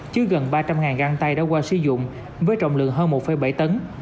chứ gần ba trăm linh ngân tay đã qua sử dụng với trọng lượng hơn một bảy tấn